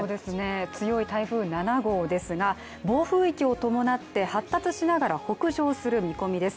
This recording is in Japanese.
強い台風７号ですが、暴風域を伴って発達しながら北上する見込みです。